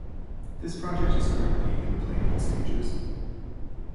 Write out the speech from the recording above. This project is currently in the planning stages.